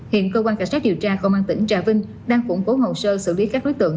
hiện cơ quan cảnh sát điều tra công an tỉnh trà vinh đang củng cố hồn sơ xử lý các đối tượng